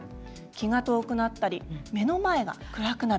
気が遠くなったり目の前が暗くなる。